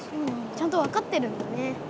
ちゃんと分かってるんだね。